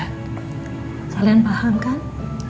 kalian paham kan